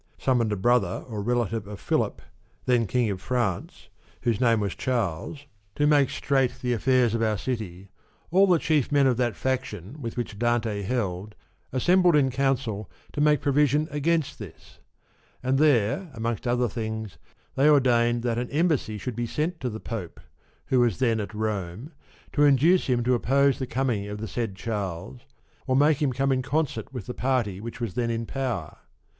summoned a brother or relative of Philip, then king of France, whose name was Charles, to make straight the affairs of our city, all the chief men of that faction with which Dante held, assembled in council to make provision against this ; and there, amongst other things they ordained that an embassy should be sent to the Pope, who was then at Rome, to induce him to oppose the coming of the said Charles, or make him come in concert with the party which was then in power.